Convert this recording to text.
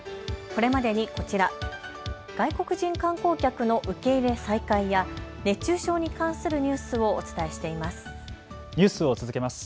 これまでにこちら、外国人観光客の受け入れ再開や熱中症に関するニュースをお伝えしています。